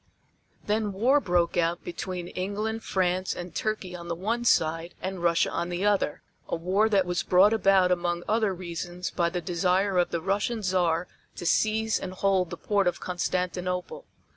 Then war broke out between England, France and Turkey on the one side and Russia on the other, a war that was brought about among other reasons by the desire of the Russian Czar to seize and hold the port of Constantinople.